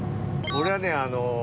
俺はねあの。